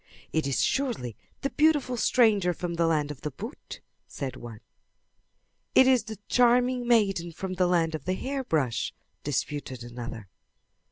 "It is surely the beautiful stranger from the land of the boot," said one. "It is the charming maiden from the land of the hairbrush," disputed another.